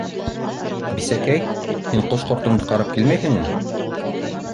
- Бисәкәй, һин ҡош-ҡортоңдо ҡарап килмәйһеңме?